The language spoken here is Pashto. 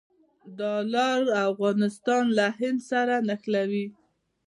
دا لار افغانستان له هند سره نښلوي.